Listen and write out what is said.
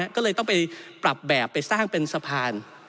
ก็เลยต้องไปปรับแบบไปสร้างเป็นสะพาน